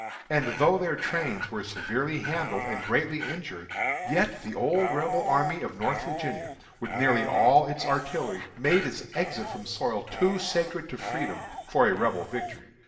And though their trains were severely handled and greatly injured, yet the old Rebel army of Northern Virginia, with nearly all its artillery, made its exit from soil too sacred to freedom for a Rebel victory.